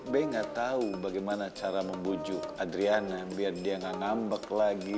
be gak tau bagaimana cara membujuk adriana biar dia gak ngambek lagi